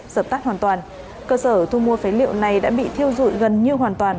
dập tắt hoàn toàn cơ sở thu mua phế liệu này đã bị thiêu dụi gần như hoàn toàn